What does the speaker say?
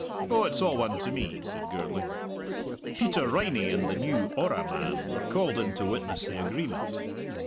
"Oh, it's all one to me," said Gourlay. Peter Riney and the new "orra" man were called in to witness the agreement.